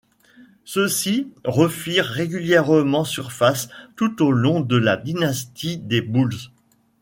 Ceux-ci refirent régulièrement surface tout au long de la dynastie des Bulls.